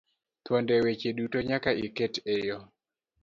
thuond weche duto nyaka iket eyo maler